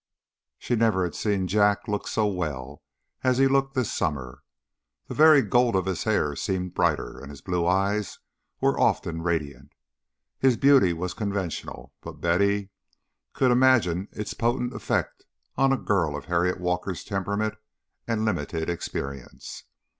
She never had seen Jack look so well as he looked this summer. The very gold of his hair seemed brighter, and his blue eyes were often radiant. His beauty was conventional, but Betty could imagine its potent effect on a girl of Harriet Walker's temperament and limited experience.